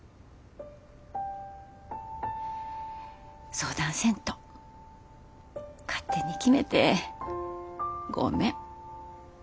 相談せんと勝手に決めてごめん。